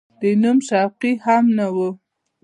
د نوم شوقي یې هم نه و.